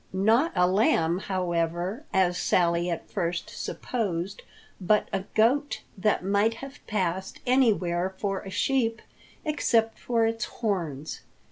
Not a lamb, however, as Sally at first supposed, but a goat that might have passed anywhere for a sheep except for its horns.